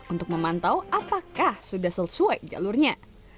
untuk memantau apakah sudah sesuai jalurnya